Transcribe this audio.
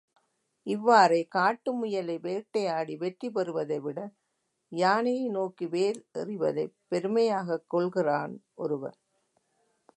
இவ்வாறே காட்டு முயலை வேட்டையாடி வெற்றி பெறுவதைவிட யானையை நோக்கி வேல் எறிவதைப் பெருமையாகக் கொள்கிறான் ஒருவன்.